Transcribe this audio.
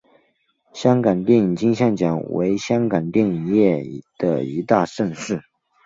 香港电影金像奖为香港电影业的一大盛事。